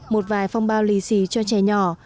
một vài phong bao lì xì cho trẻ nhỏ